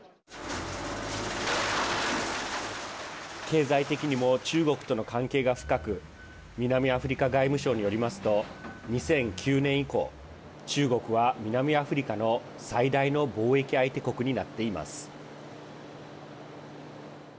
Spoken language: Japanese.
経済的にも中国との関係が深く南アフリカ外務省によりますと２００９年以降、中国は南アフリカの最大の貿易相手国になっています。